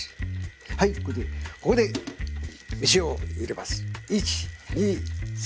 はいここで飯を入れます。